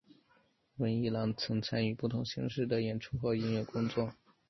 温逸朗曾参与不同形式的演出和音乐工作。